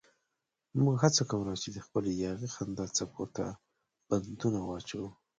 موږ هڅه کوله چې د خپلې یاغي خندا څپو ته بندونه واچوو.